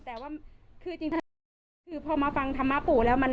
แต่ว่าคือจริงซึ่งคือพอมาฟังธรรมปู่แล้ว